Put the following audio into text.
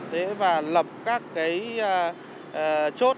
đấy và lập các cái chốt